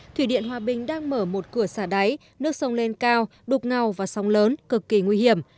thủy điện hòa bình đang mở một cửa xả đáy nước sông lên cao đục ngào và sóng lớn cực kỳ nguy hiểm